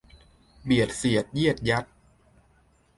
เบียดเสียดเยียดยัด